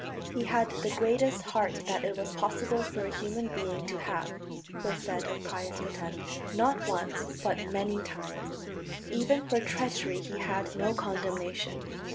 "He had the greatest heart that it was possible for a human being to have," was said of Pius X, not once but many times. Even for treachery he had no condemnation.